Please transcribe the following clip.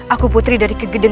aku putri dari kegedean